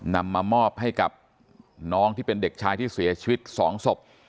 นำมามอบให้กับน้องที่เป็นเด็กชายที่เสียชีวิต๒ศพ